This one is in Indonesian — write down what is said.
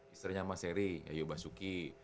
istrnya mas harry yayu basuki